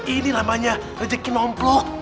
ini namanya rejeki nompluk